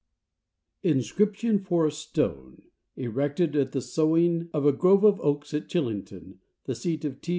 INSCRIPTION FOR A STONE ERECTED AT THE SOWING OF A GROVE OF OAKS AT CHILLINGTON, THE SEAT OF T.